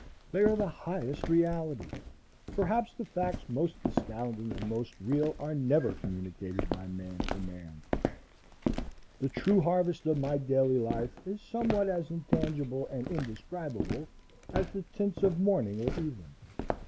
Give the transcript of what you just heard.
They are the highest reality. Perhaps the facts most astounding and most real are never communicated by man to man. The true harvest of my daily life is somewhat as intangible and indescribable as the tints of morning or evening.